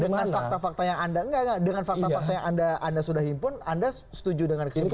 dengan fakta fakta yang anda enggak dengan fakta fakta yang anda sudah himpun anda setuju dengan kesimpulan